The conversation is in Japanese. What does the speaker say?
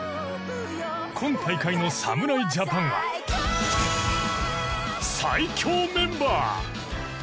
今大会の侍ジャパンは最強メンバー！